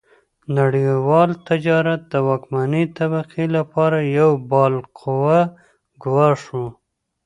نړیوال تجارت د واکمنې طبقې لپاره یو بالقوه ګواښ و.